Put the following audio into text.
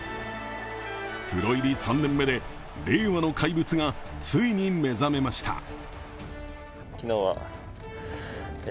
プロ入り３年目で、令和の怪物がついに目覚めました。